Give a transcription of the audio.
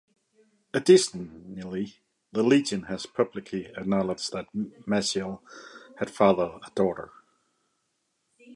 Additionally, the Legion has publicly acknowledged that Maciel had fathered a daughter.